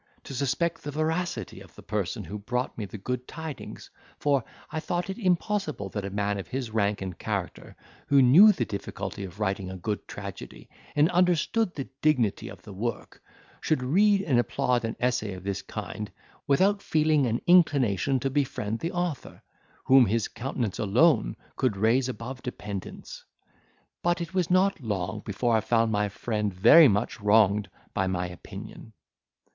to suspect the veracity of the person who brought me the good tidings; for I thought it impossible that a man of his rank and character, who knew the difficulty of writing a good tragedy, and understood the dignity of the work, should read and applaud an essay of this kind, without feeling an inclination to befriend the author, whom his countenance alone could raise above dependence. But it was not long before I found my friend very much wronged by my opinion.